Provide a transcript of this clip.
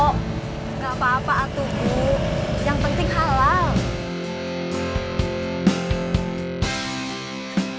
gak apa apa atuguh yang penting halal